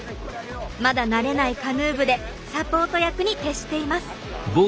まだ慣れないカヌー部でサポート役に徹しています。